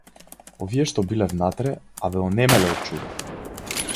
Овие што биле внатре, а бе онемеле од чудо.